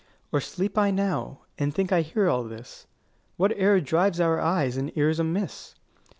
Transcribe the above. Or sleep I now, and think I hear all this? What error drives our eyes and ears amiss?